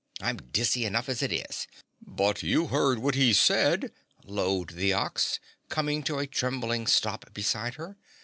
I'm dizzy enough as it is." "But you heard what he said?" lowed the Ox, coming to a trembling stop beside her.